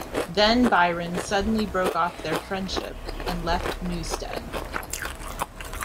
Then Byron suddenly broke off their friendship and left Newstead.